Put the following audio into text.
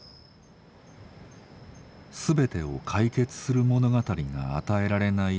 全てを解決する物語が与えられない